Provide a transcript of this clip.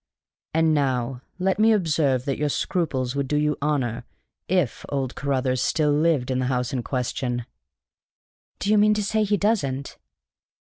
And now let me observe that your scruples would do you honor if old Carruthers still lived in the house in question." "Do you mean to say he doesn't?"